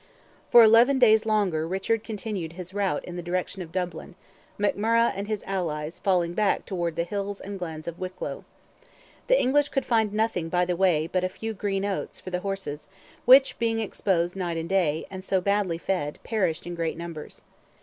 For eleven days longer Richard continued his route in the direction of Dublin, McMurrogh and his allies falling back towards the hills and glens of Wicklow. The English could find nothing by the way but "a few green oats" for the horses, which being exposed night and day, and so badly fed, perished in great numbers.